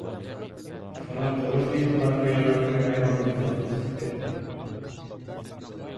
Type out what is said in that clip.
شۇڭا تۇغۇش نىيىتى بار ئاياللار ئۆي ھايۋانلىرىنى باقماسلىق كېرەك.